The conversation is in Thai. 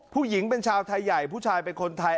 ผู้หญิงเป็นชาวไทยใหญ่ผู้ชายเป็นคนไทย